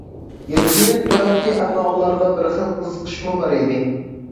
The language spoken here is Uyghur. يىرگىنىپ تۇراتتى، ئەمما ئۇلارغا بىر خىل قىزىقىشمۇ بار ئىدى.